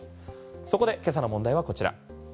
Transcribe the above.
そこで今朝の問題はこちら。